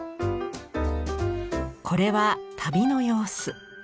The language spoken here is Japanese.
これは旅の様子。